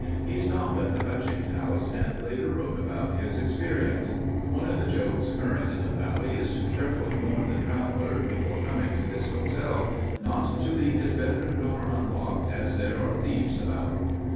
He stopped at the Hutchings House and later wrote about his experience: One of the jokes current in the Valley is to carefully warn the traveler, before coming to this hotel, "not to leave his bed room door unlocked, as there are thieves about!"